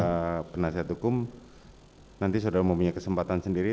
saudara penasihat hukum nanti saudara mau punya kesempatan sendiri